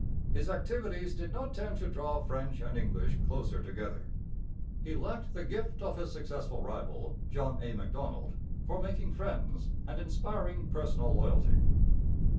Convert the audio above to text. His activities did not tend to draw French and English closer together. He lacked the gift of his successful rival, John A. Macdonald, for making friends and inspiring personal loyalty.